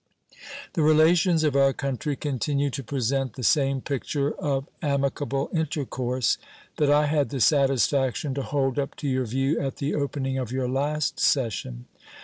The relations of our country continue to present the same picture of amicable intercourse that I had the satisfaction to hold up to your view at the opening of your last session.